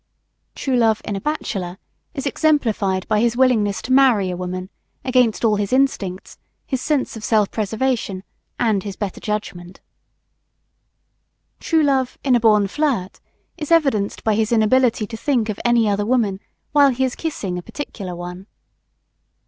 True Love, in a bachelor, is exemplified by his willingness to marry a woman against all his instincts, his sense of self preservation, and his better judgment. True Love, in a born flirt, is evidenced by his inability to think of any other woman, while he is kissing a particular one.